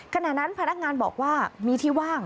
ขณะนั้นพนักงานบอกว่ามีที่ว่าง